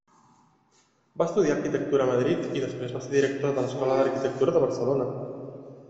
Va estudiar arquitectura a Madrid i després va ser director de l'Escola d'Arquitectura de Barcelona.